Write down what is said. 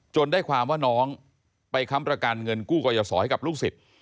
ได้ความว่าน้องไปค้ำประกันเงินกู้กรยาศรให้กับลูกศิษย์